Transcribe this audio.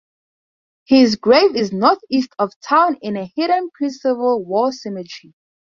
His grave is northeast of town in a hidden pre-Civil War cemetery.